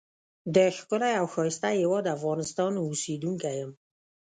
دښکلی او ښایسته هیواد افغانستان اوسیدونکی یم.